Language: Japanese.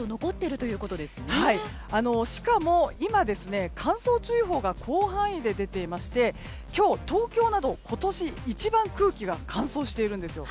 しかも、今乾燥注意報が広範囲で出ていまして今日、東京など今年一番空気が乾燥しているんですよ。